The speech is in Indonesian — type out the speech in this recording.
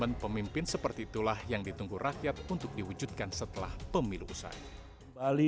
komitmen pemimpin seperti itulah yang ditunggu rakyat untuk diwujudkan setelah pemilu usai bali